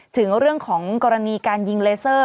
ถึงเรื่องของกรณีการยิงเลเซอร์